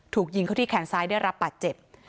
ถูกยิงเขาที่แขนซ้ายได้รับบาดเจ็บ